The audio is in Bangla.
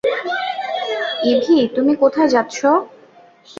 ইভি, তুমি কোথায় যাচ্ছ?